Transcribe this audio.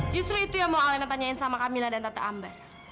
justru itu yang mau alena tanyain sama kamila dan tata amba